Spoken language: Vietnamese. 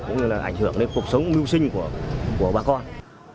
cũng như là ảnh hưởng đến cuộc sống mưu sinh của bà con